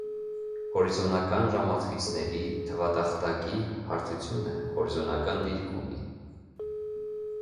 Հորիզոնական ժամացույցների թվատախտակի հարթությունը հորիզոնական դիրք ունի։